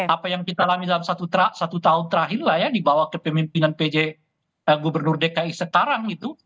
apa yang kita alami dalam satu tahun terakhirlah ya dibawah kepemimpinan pj gubernur dki sekarang itu